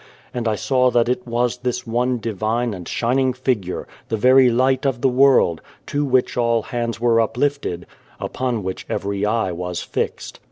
And I saw that it was this one divine and shining figure, the very Light of the World, to which all hands were uplifted, upon which every eye was fixed.